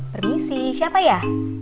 permisi siapa ya